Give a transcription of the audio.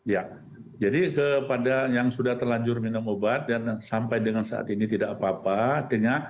ya jadi kepada yang sudah terlanjur minum obat dan sampai dengan saat ini tidak apa apa